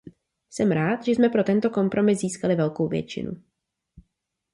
Jsem rád, že jsme pro tento kompromis získali velkou většinu.